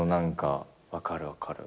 分かる分かる。